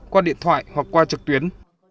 qua điện thoại hoặc qua trực tuyến